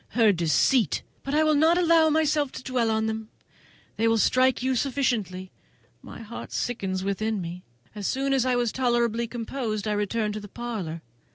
her deceit! but I will not allow myself to dwell on them; they will strike you sufficiently. My heart sickens within me. As soon as I was tolerably composed I returned to the parlour.